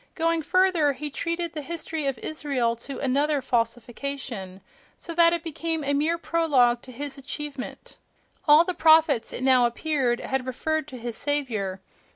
Going further, he treated the history of Israel to another falsification, so that it became a mere prologue to his achievement: all the prophets, it now appeared, had referred to his "Saviour."...